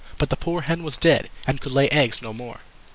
But the poor hen was dead. And could lay eggs no more.